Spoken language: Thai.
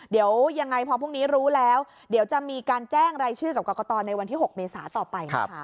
เดี๋ยวยังไงพอพรุ่งนี้รู้แล้วเดี๋ยวจะมีการแจ้งรายชื่อกับกรกตในวันที่๖เมษาต่อไปนะคะ